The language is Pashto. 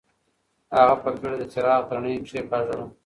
هغه په بېړه د څراغ تڼۍ کېکاږله.